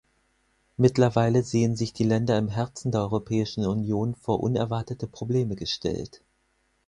Mittlerweile sehen sich die Länder im Herzen der Europäischen Union vor unerwartete Probleme gestellt.